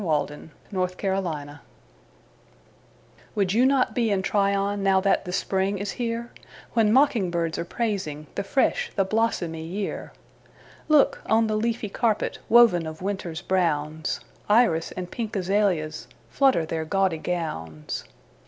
April—North Carolina WOULD you not be in TryonNow that the spring is here, When mocking birds are praisingThe fresh, the blossomy year? Look—on the leafy carpetWoven of winter's brownsIris and pink azaleasFlutter their gaudy gowns.